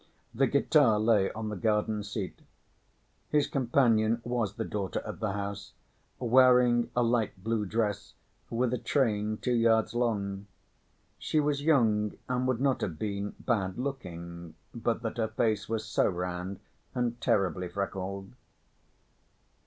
The guitar lay on the garden‐seat. His companion was the daughter of the house, wearing a light‐blue dress with a train two yards long. She was young and would not have been bad‐looking, but that her face was so round and terribly freckled.